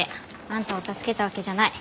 あんたを助けたわけじゃない。